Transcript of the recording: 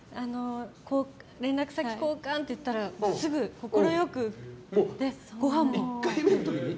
連絡先交換って言ったらすぐ快く、ごはんも。